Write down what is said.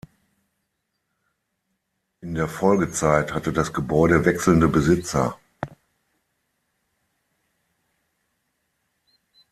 In der Folgezeit hatte das Gebäude wechselnde Besitzer.